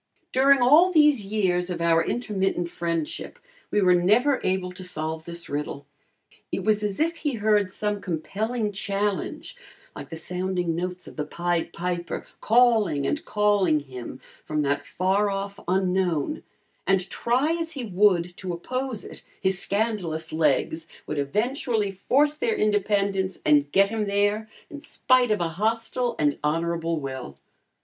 During all these years of our intermittent friendship, we were never able to solve this riddle. It was as if he heard some compelling challenge, like the sounding notes of the Pied Piper, calling and calling him from that far off unknown, and try as he would to oppose it, his scandalous legs would eventually force their independence and get him there in spite of a hostile and honorable will.